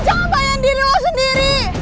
jangan bayangin diri lo sendiri